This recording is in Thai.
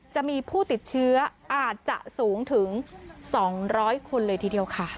จะมีผู้ติดเชื้ออาจจะสูงถึง๒๐๐คนเลยทีเดียวค่ะ